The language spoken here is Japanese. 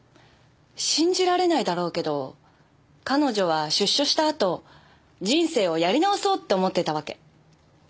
信じられないだろうけど彼女は出所したあと人生をやり直そうって思ってたわけ。